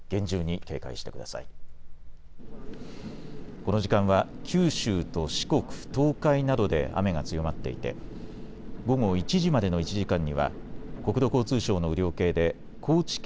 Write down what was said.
この時間は九州と四国、東海などで雨が強まっていて午後１時までの１時間には国土交通省の雨量計で高知県